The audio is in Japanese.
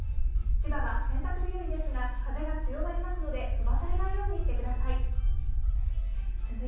千葉は洗濯日和ですが風が強まりますので飛ばされないようにご注意ください。